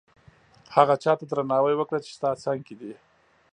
هغه چاته درناوی وکړه چې ستا څنګ کې دي.